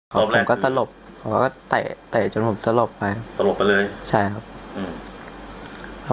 ผมก็สลบผมก็เตะเตะจนผมสลบไปสลบไปเลยใช่ครับอืม